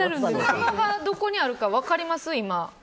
今どこにあるか分かります？